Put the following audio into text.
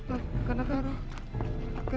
oh karena tahu